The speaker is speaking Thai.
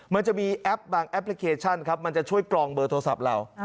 มันจะมีแอปบางแอปพลิเคชันครับมันจะช่วยกรองเบอร์โทรศัพท์เรา